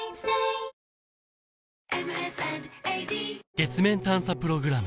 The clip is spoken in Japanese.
月面探査プログラム